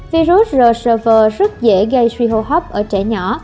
virus rsv rất dễ gây suy hô hấp ở trẻ nhỏ